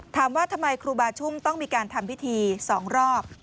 ถามว่าทำไมครูบาชุ่มต้องมีการทำพิธี๒รอบ